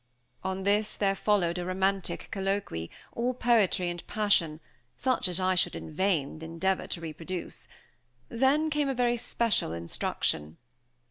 On this there followed a romantic colloquy, all poetry and passion, such as I should in vain endeavor to reproduce. Then came a very special instruction.